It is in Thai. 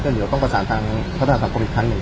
เดี๋ยวต้องประสานทางพัฒนาสังคมอีกครั้งหนึ่ง